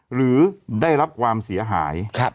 หรือได้รับความเสียหาย